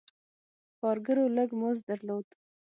کارګرو لږ مزد درلود.